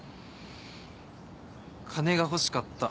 金が欲しかった。